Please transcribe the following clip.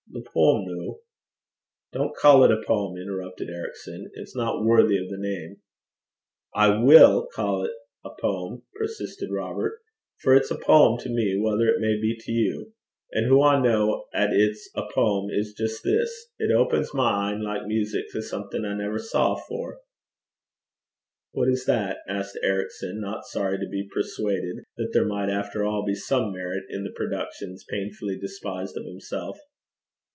The poem noo ' 'Don't call it a poem,' interrupted Ericson. 'It's not worthy of the name.' 'I will ca' 't a poem,' persisted Robert; 'for it's a poem to me, whatever it may be to you. An' hoo I ken 'at it's a poem is jist this: it opens my een like music to something I never saw afore.' 'What is that?' asked Ericson, not sorry to be persuaded that there might after all be some merit in the productions painfully despised of himself.